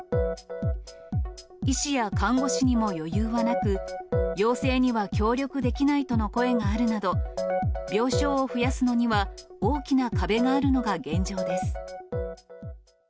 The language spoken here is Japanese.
医師や看護師にも余裕はなく、要請には協力できないとの声があるなど、病床を増やすのには大きな壁があるのが現状です。